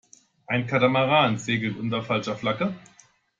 Ein Katamaran segelt unter falscher Flagge.